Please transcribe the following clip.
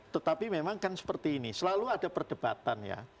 tetapi memang kan seperti ini selalu ada perdebatan ya